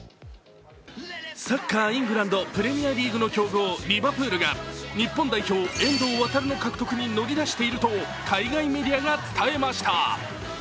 サッカー、イングランド・プレミアリーグの強豪・リバプールが日本代表・遠藤航の獲得に乗り出していると海外メディアが報じました。